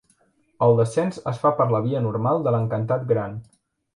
El descens es fa per la via normal de l'Encantat Gran.